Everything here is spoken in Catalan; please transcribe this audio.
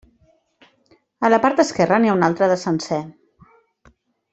A la part esquerra n'hi ha un altre de sencer.